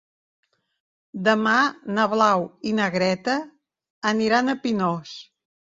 Demà na Blau i na Greta aniran a Pinós.